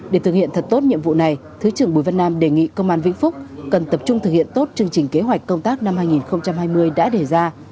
để thực hiện thật tốt nhiệm vụ này thứ trưởng bùi văn nam đề nghị công an vĩnh phúc cần tập trung thực hiện tốt chương trình kế hoạch công tác năm hai nghìn hai mươi đã đề ra